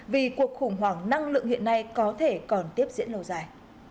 vì cuộc khủng hoảng năng lượng hiện nay có thể còn tiếp diễn lâu dài